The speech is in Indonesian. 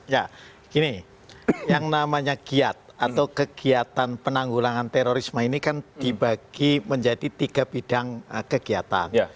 ya gini yang namanya giat atau kegiatan penanggulangan terorisme ini kan dibagi menjadi tiga bidang kegiatan